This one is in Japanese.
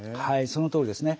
そのとおりですね。